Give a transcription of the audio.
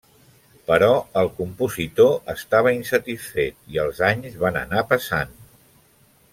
Però el compositor estava insatisfet i els anys van anar passant.